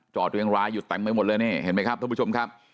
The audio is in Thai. จอดเรียงร้ายอยู่แต่งไปหมดเลยเนี่ยเห็นมั้ยครับท่านผู้ชมครับ